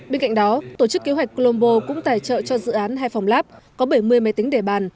bên cạnh đó tổ chức kế hoạch colombo cũng tài trợ cho dự án hai phòng lab có bảy mươi máy tính đề bàn